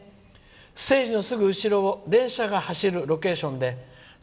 ステージのすぐ後ろを電車が走るロケーションで」。